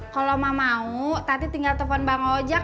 kalo emang mau tadi tinggal telfon mbak ngajak